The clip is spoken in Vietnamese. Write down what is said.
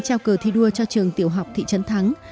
trao cờ thi đua cho trường tiểu học thị trấn thắng